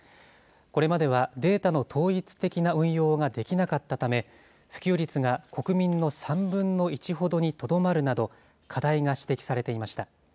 これまではデータの統一的な運用ができなかったため、普及率が国民の３分の１ほどにとどまるなど、課題が指摘されていました。